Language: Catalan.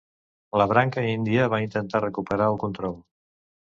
La branca índia va intentar recuperar el control.